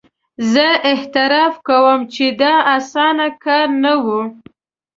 زه اعتراف کوم چې دا اسانه کار نه وو.